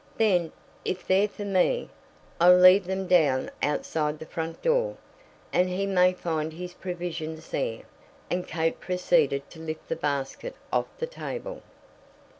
"Then, if they're for me, I'll leave them down outside the front door, and he may find his provisions there." And Kate proceeded to lift the basket off the table.